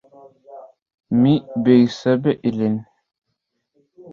Me Bayisabe Irѐne